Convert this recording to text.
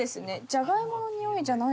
じゃがいものにおいじゃない。